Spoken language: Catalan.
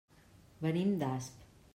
Venim d'Asp.